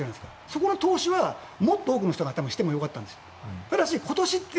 そこの投資はもっと多くの人がしてもよかったんです。